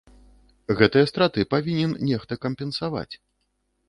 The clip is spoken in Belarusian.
Гэтыя страты павінен нехта кампенсаваць.